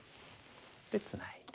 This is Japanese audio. でツナいで。